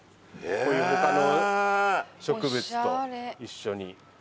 こういう他の植物と一緒に。